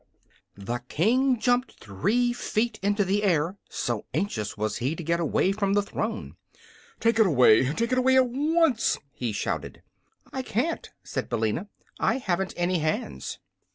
The King jumped three feet into the air, so anxious was he to get away from the throne. "Take it away! Take it away at once!" he shouted. "I can't," said Billina. "I haven't any hands."